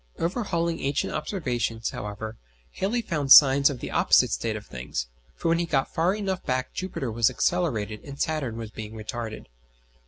Overhauling ancient observations, however, Halley found signs of the opposite state of things, for when he got far enough back Jupiter was accelerated and Saturn was being retarded.